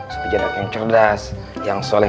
seperti anak yang cerdas yang soleh